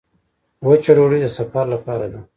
وچه ډوډۍ د سفر لپاره ده.